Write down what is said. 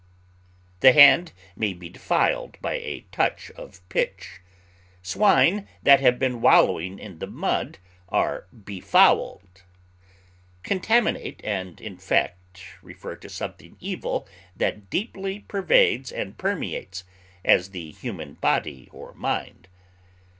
The hand may be defiled by a touch of pitch; swine that have been wallowing in the mud are befouled. Contaminate and infect refer to something evil that deeply pervades and permeates, as the human body or mind.